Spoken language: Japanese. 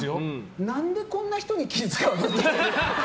何でこんな人に気を遣うの？って。